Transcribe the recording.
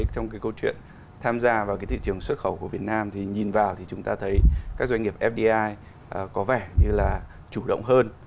trong cái câu chuyện tham gia vào thị trường xuất khẩu của việt nam thì nhìn vào thì chúng ta thấy các doanh nghiệp fdi có vẻ như là chủ động hơn